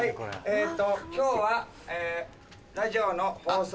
えっと今日はラジオの放送。